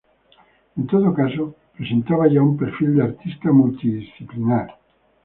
En todo caso presentaba ya un perfil de artista multidisciplinar.